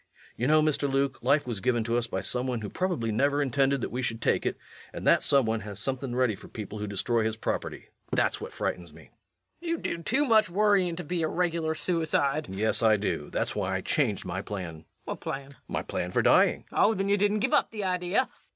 You know, Mr. Luke, life was given to us by some one who probably never intended that we should take it, and that some one has something ready for people who destroy his property. That's what frightens me. LUKE. You do too much worryin' to be a regular suicide. REVENUE. Yes, I do. That's why I changed my plan. LUKE. What plan? REVENUE. My plan for dying. LUKE. Oh, then you didn't give up the idea?